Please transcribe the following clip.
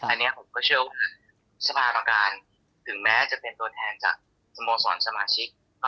อันนี้ผมก็เชื่อว่าสภากรรมการถึงแม้จะเป็นตัวแทนจากสโมสรสมาชิก